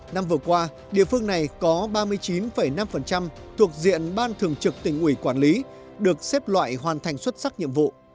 năm vừa qua địa phương này có ba mươi chín năm thuộc diện ban thường trực tỉnh ủy quản lý được xếp loại hoàn thành xuất sắc nhiệm vụ